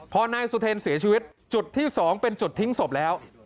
พอนายสุเทรนเสียชีวิตจุดที่๒เป็นจุดทิ้งศพแล้ว